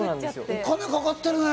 お金かかってるね。